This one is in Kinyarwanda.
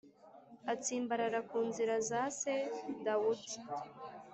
atsimbarara ku nzira za se Dawudi,